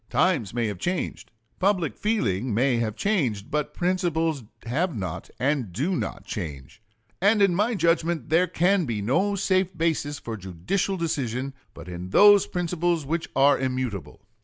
Times may have changed, public feeling may have changed, but principles have not and do not change; and in my judgment there can be no safe basis for judicial decision but in those principles which are immutable.